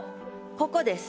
ここです。